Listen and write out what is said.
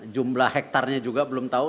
jumlah hektarnya juga belum tahu